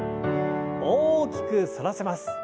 大きく反らせます。